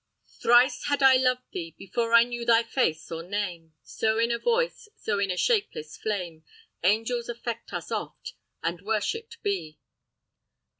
Thrice had I loved thee Before I knew thy face or name: So in a voice, so in a shapeless flame, Angels affect us oft, and worshipped be.